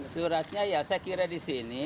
suratnya ya saya kira di sini